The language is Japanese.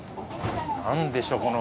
何でしょうこの。